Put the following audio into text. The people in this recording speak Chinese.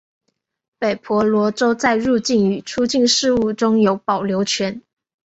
北婆罗洲在入境与出境事务中有保留权。